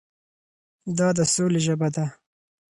دا د سولې ژبه ده.